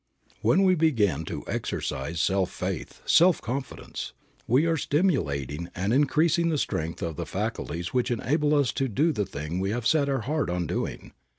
When we begin to exercise self faith, self confidence, we are stimulating and increasing the strength of the faculties which enable us to do the thing we have set our heart on doing.